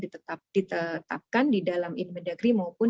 ditetapkan di dalam indah mendagri maupun